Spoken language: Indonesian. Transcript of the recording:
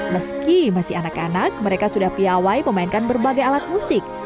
meski masih anak anak mereka sudah piawai memainkan berbagai alat musik